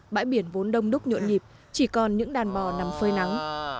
bãi biển vốn đông đúc nhộn nhịp chỉ còn những đàn bò nằm phơi nắng